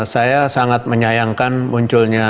saya sangat menyayangkan munculnya